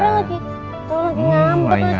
terima kasih pak